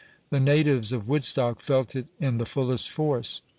The natives of Woodstock felt it in the fullest force.